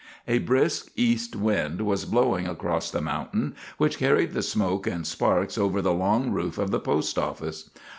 A brisk east wind was blowing across the mountain, which carried the smoke and sparks over the long roof of the post office.